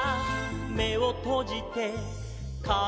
「めをとじてかんがえる」